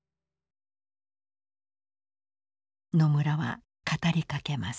野村は語りかけます。